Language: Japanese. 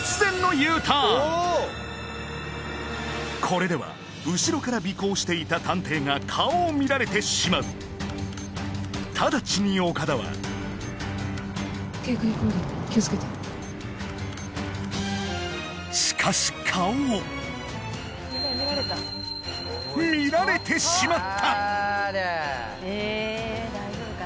これでは後ろから尾行していた探偵が顔を見られてしまうただちに岡田はしかし顔を見られてしまった